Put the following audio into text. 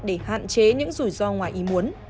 để hạn chế những rủi ro ngoài ý muốn